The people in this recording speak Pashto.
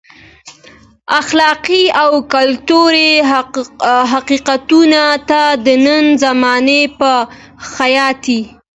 اخلاقي او کلتوري حقیقتونو ته د نن زمانې په خیاط.